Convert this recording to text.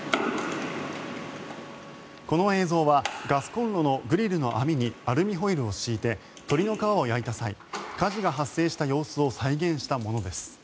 この映像はガスコンロのグリルの網にアルミホイルを敷いて鶏の皮を焼いた際火事が発生した様子を再現したものです。